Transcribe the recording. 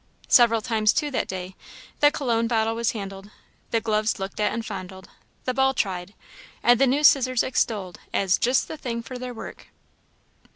Several times, too, that day, the Cologne bottle was handled, the gloves looked at and fondled, the ball tried, and the new scissors extolled as "just the thing for their work."